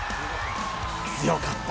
強かった。